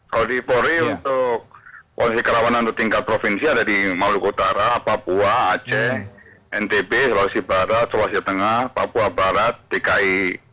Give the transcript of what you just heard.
kalau di polri untuk polisi kerawanan di tingkat provinsi ada di maluku utara papua aceh ntb sulawesi barat sulawesi tengah papua barat dki